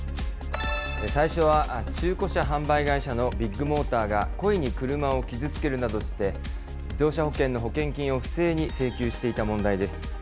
最初は中古車販売会社のビッグモーターが、故意に車を傷つけるなどして、自動車保険の保険金を不正に請求していた問題です。